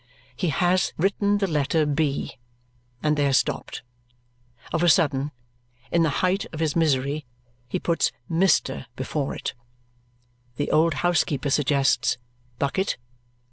He has written the letter B, and there stopped. Of a sudden, in the height of his misery, he puts Mr. before it. The old housekeeper suggests Bucket.